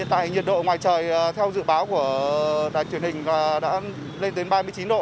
tại nhiệt độ ngoài trời theo dự báo của đài truyền hình và đã lên đến ba mươi chín độ